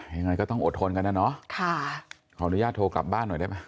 ยังไงก็ต้องอดทนกันแล้วเนอะขออนุญาตโทรกลับบ้านหน่อยได้ไหมขออนุญาตโทรกลับบ้านหน่อยได้ไหม